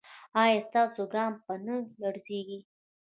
ایا ستاسو ګام به نه لړزیږي؟